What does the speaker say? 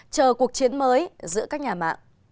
chờ cuộc chiến mới giữa các nhà mạng